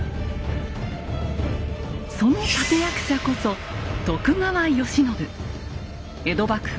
その立て役者こそ江戸幕府